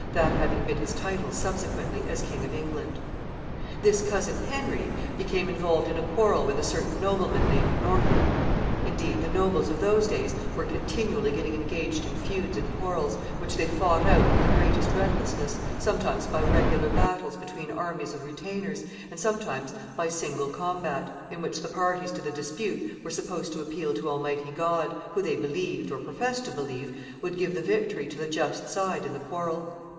that having been his title subsequently as King of England. [Sidenote: Quarrel between Henry and Norfolk.] [Sidenote: The trial.] This cousin Henry became involved in a quarrel with a certain nobleman named Norfolk. Indeed, the nobles of those days were continually getting engaged in feuds and quarrels, which they fought out with the greatest recklessness, sometimes by regular battles between armies of retainers, and sometimes by single combat, in which the parties to the dispute were supposed to appeal to Almighty God, who they believed, or professed to believe, would give the victory to the just side in the quarrel.